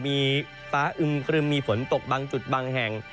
มีฟ้าอึมครึมมีฝนตกบางจุดบางแห่ง